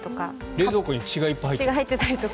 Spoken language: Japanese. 冷蔵庫に血がいっぱい入ってる。